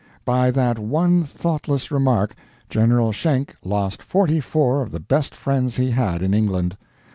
By that one thoughtless remark General Schenck lost forty four of the best friends he had in England.